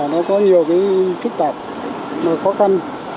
nó có nhiều thức tạp và khó khăn